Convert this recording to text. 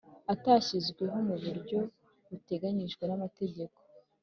atashyizweho mu buryo buteganyijwe n’amategeko